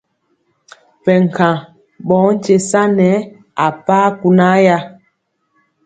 Ɓɛ nkaŋ ɓɔ nkye sa nɛ a paa kunaaya.